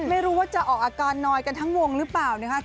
ไม่รู้ว่าจะออกอาการนอยกันทั้งวงหรือเปล่านะคะ